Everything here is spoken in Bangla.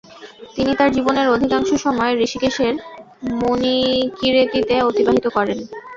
তিনি তার জীবনের অধিকাংশ সময় ঋষিকেশের মুনিকিরেতিতে অতিবাহিত করেন।